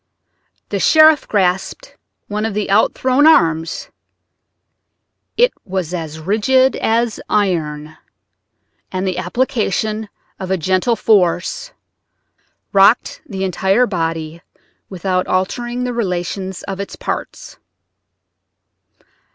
The sheriff grasped one of the outthrown arms; it was as rigid as iron, and the application of a gentle force rocked the entire body without altering the relation of its parts.